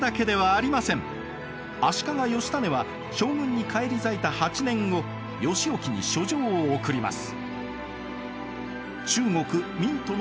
足利義稙は将軍に返り咲いた８年後義興に書状を送ります。